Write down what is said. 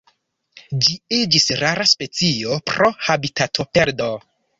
Ĝi iĝis rara specio pro habitatoperdo.